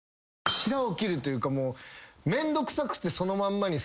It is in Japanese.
しらを切るというか。